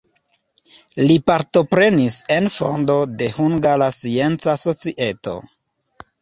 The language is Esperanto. Li partoprenis en fondo de Hungara Scienca Societo.